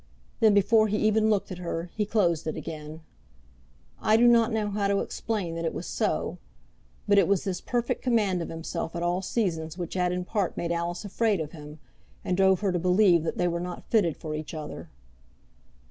Then, before he even looked at her, he closed it again. I do not know how to explain that it was so; but it was this perfect command of himself at all seasons which had in part made Alice afraid of him, and drove her to believe that they were not fitted for each other.